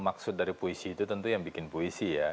maksud dari puisi itu tentu yang bikin puisi ya